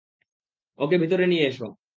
ওকে ভিতরে নিয়ে এসো।